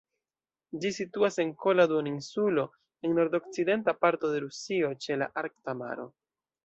Ĝi situas en Kola duoninsulo, en nord-okcidenta parto de Rusio, ĉe la Arkta maro.